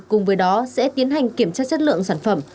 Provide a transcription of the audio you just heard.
cùng với đó sẽ tiến hành kiểm tra chất lượng sản phẩm